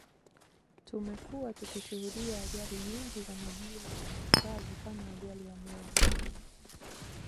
Tumekuwa tukishuhudia ajali nyingi za majini na nchi kavu kama ajali ya meli